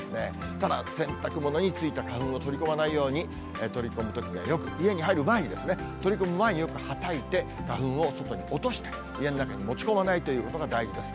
ただ洗濯物についた花粉を取り込まないように、取り込むときには、よく、家に入る前に取り込む前によくはたいて、花粉を外に落として、家の中に持ち込まないということが大事です。